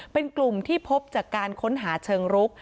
เป็นกลุ่มที่พบจากการค้นหาเชิงรุก